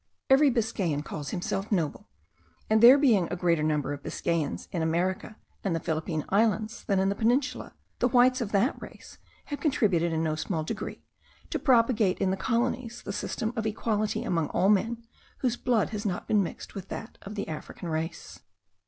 Every Biscayan calls himself noble; and there being a greater number of Biscayans in America and the Philippine Islands, than in the Peninsula, the whites of that race have contributed, in no small degree, to propagate in the colonies the system of equality among all men whose blood has not been mixed with that of the African race.